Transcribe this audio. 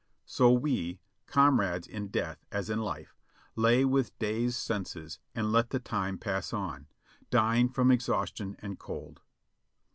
So we, "comrades in death as in life," lay with dazed senses andi let the time pass on, dying from exhaustion and cold.